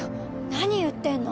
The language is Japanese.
何言ってんの！